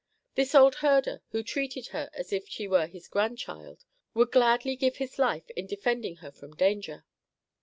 This old herder, who treated her as if she were his grandchild, would gladly give his life in defending her from danger.